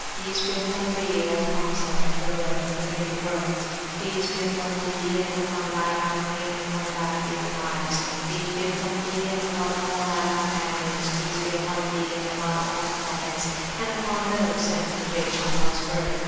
Peace be upon Thee, O Apostle of the Lord of the (three) Worlds! Peace be upon Thee, and upon Thy Family, and upon Thy pure Wives! Peace be upon Thee, and upon all Thy Companions! Peace be upon Thee, and upon all the Prophets, and upon those sent to preach Allah's Word!